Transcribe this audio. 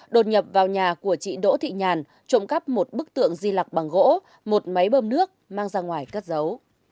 đột nhập vào nhà của chị đỗ thị nhàn trộm cắp một bức tượng di lạc bằng gỗ một máy bơm nước mang ra ngoài cất giấu